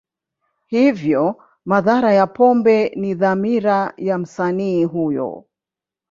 Hivyo, madhara ya pombe ni dhamira ya msanii huyo.